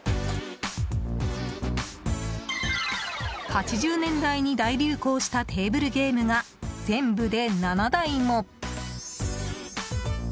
８０年代に大流行したテーブルゲームが全部で７台も！